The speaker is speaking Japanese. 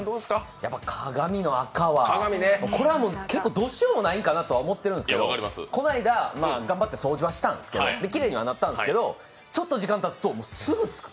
鏡のあか結構どうしようもないんかなと思ってるんですけど、この間、頑張って掃除はしたんですけどきれいにはなったんですけど、ちょっと時間たつと、すぐつく。